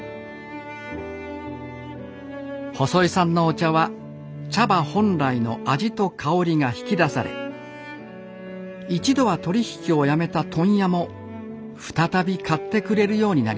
細井さんのお茶は茶葉本来の味と香りが引き出され一度は取り引きをやめた問屋も再び買ってくれるようになりました